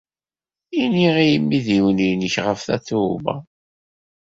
Ini i yimidiwen-nnek ɣef Tatoeba.